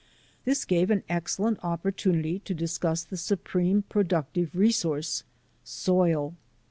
This gave an excellent opportunity to discuss the supreme productive resource — soil.